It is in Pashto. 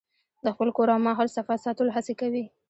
د خپل کور او ماحول صفا ساتلو هڅې کوي.